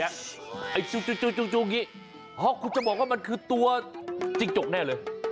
เอาอีกอีกแล้วจุนคือตัวจิงจกแน่เลย